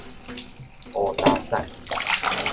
烏焦瘦